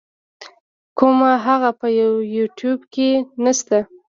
کوومه هغه په یو يټیوب کی نسته.